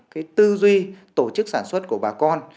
cái tư duy tổ chức sản xuất của bà con